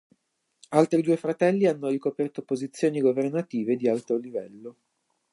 Altri due fratelli hanno ricoperto posizioni governative di alto livello.